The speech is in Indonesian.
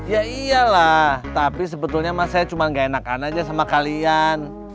ya iya lah tapi sebetulnya mas saya cuma gak enakan aja sama kalian